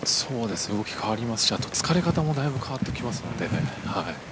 動き、変わりますし、疲れ方もだいぶ変わってきますので。